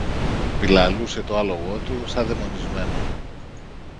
Πιλαλούσε το άλογο του σα δαιμονισμένο.